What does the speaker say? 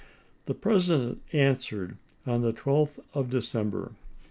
The President answered on the 12th of Decem ber.